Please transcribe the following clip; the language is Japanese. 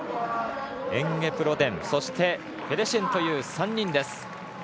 エンゲブロテン、そしてペデシェンという３人です。